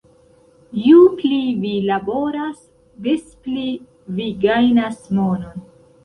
Ju pli vi laboras, des pli vi gajnas monon